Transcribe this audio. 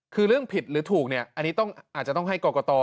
คือเรื่องผิดหรือถูกเนี่ยอันนี้อาจจะต้องให้กรกต